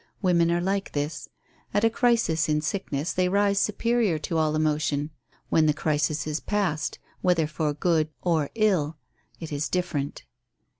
Women are like this. At a crisis in sickness they rise superior to all emotion. When the crisis is past, whether for good or ill, it is different.